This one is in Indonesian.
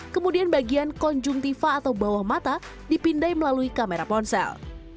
kemudian bagian konjuntiva atau bawah mata dipindai melalui kamera ponsel